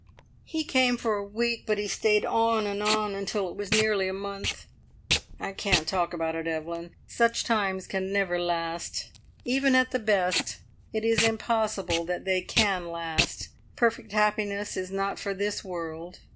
"He came for a week, but he stayed on and on until it was nearly a month. I can't talk about it, Evelyn. Such times can never last. Even at the best it is impossible that they can last. Perfect happiness is not for this world.